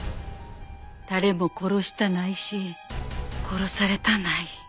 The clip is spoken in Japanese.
誰も殺したないし殺されたない。